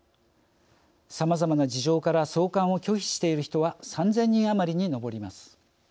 さまざまな事情から送還を拒否している人は３，０００人余りに上ります。